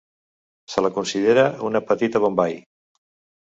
Se la considera una Petita Bombai.